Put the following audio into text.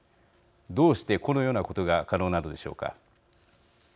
どうして、このようなことが可能なのでしょうか。